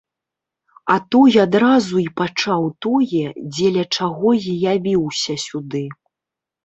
А той адразу і пачаў тое, дзеля чаго і явіўся сюды.